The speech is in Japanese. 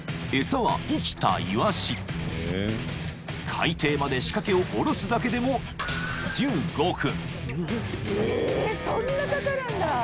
［海底まで仕掛けを下ろすだけでも１５分］